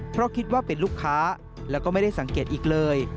เพราะคิดว่าเป็นลูกค้าแล้วก็ไม่ได้สังเกตอีกเลย